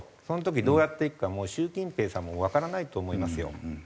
その時どうやっていくかもう習近平さんもわからないと思いますよ。